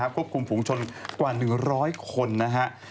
ควบคุมภูมิชนกว่า๑๐๐คนนะฮะ